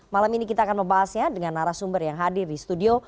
malam ini kita akan membahasnya dengan narasumber yang hadir di studio